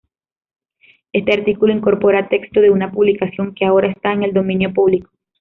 Este artículo incorpora texto de una publicación que ahora está en el dominio público.